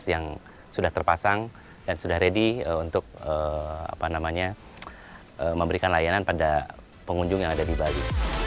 yang sudah terpasang dan sudah ready untuk memberikan layanan pada pengunjung yang ada di bali